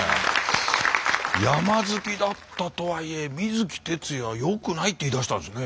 山好きだったとはいえ水木哲也はよくないって言いだしたんですね